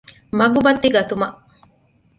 މަގުބައްތި ގަތުމަށް